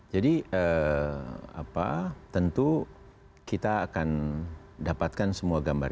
jadi tentu kita akan dapatkan semua gambar gambar